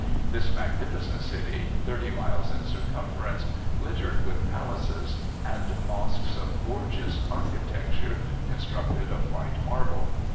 This magnificent city, thirty miles in circumference, glittered with palaces and mosques of gorgeous architecture, constructed of white marble.